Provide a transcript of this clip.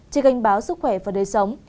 chỉ gánh báo sức khỏe và đời sống